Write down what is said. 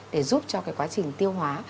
để giúp cho cái quá trình tiêu hóa